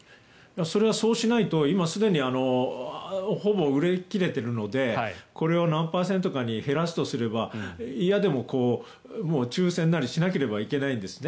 それはそうしないと今すでにほぼ売り切れているのでこれを何パーセントかに減らすとすれば嫌でももう抽選なりをしなければいけないんですね。